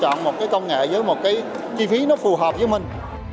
chúng ta có thể lựa chọn một công nghệ với một chi phí phù hợp với mình